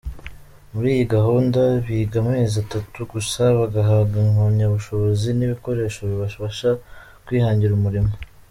Muri iyi gahunda biga amezi atatu gusa bagahabwa impamyabushobozi n’ibikoresho bibafasha kwihangira umurimo.